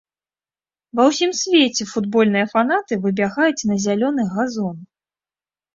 Ва ўсім свеце футбольныя фанаты выбягаюць на зялёны газон.